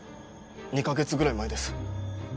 ２カ月ぐらい前です。